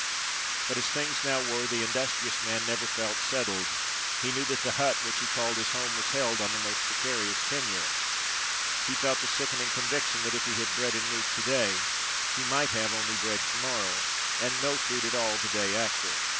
But as things now were, the industrious man never felt settled: he knew that the hut which he called his home, was held on the most precarious tenure;—he felt the sickening conviction that if he had bread and meat to day, he might have only bread to morrow, and no food at all the day after.